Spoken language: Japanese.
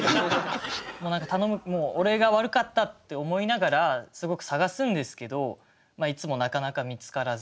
もう何か頼む俺が悪かったって思いながらすごく探すんですけどいつもなかなか見つからず。